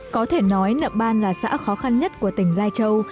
có thể nói nậm ban là xã khó khăn nhất của tỉnh lai châu